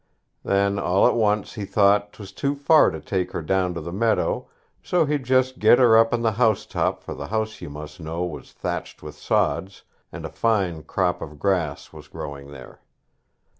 Then all at once he thought 'twas too far to take her down to the meadow, so he'd just get her up on the house top for the house, you must know, was thatched with sods, and a fine crop of grass was growing there.